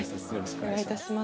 お願いいたします。